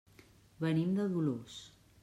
Venim de Dolors.